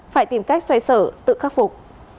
phải tìm cách xoay sở tự khắc phục